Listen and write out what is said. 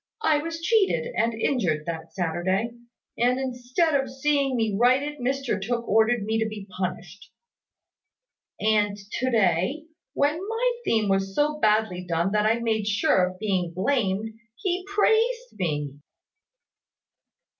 I was cheated and injured that Saturday; and, instead of seeing me righted, Mr Tooke ordered me to be punished. And to day, when my theme was so badly done that I made sure of being blamed, he praised me."